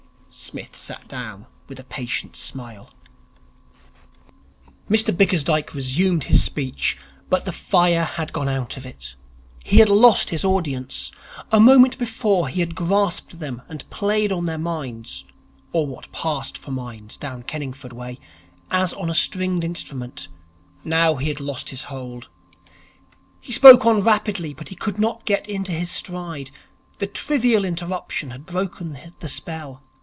Psmith sat down with a patient smile. Mr Bickersdyke resumed his speech. But the fire had gone out of it. He had lost his audience. A moment before, he had grasped them and played on their minds (or what passed for minds down Kenningford way) as on a stringed instrument. Now he had lost his hold. He spoke on rapidly, but he could not get into his stride. The trivial interruption had broken the spell.